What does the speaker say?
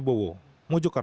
tidak ada yang dianggap